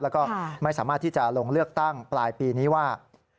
แล้วก็ไม่สามารถที่จะลงเลือกตั้งปลายปีนี้ว่า